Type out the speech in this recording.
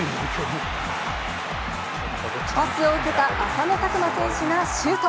パスを受けた浅野拓磨選手がシュート。